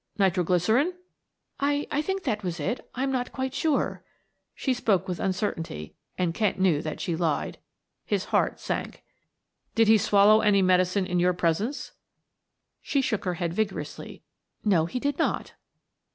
"Nitro glycerine?" "I I think that was it, I am not quite sure," she spoke with uncertainty, and Kent knew that she lied. His heart sank. "Did he swallow any medicine in your presence?" She shook her head vigorously. "No, he did not."